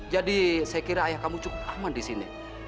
jadi saya kira ayah kamu cukup aman disini